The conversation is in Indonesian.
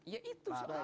ya itu soalnya